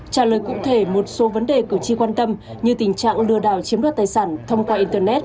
trả lời cụ thể một số vấn đề cử tri quan tâm như tình trạng lừa đảo chiếm đoạt tài sản thông qua internet